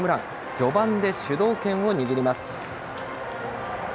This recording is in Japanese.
序盤で主導権を握ります。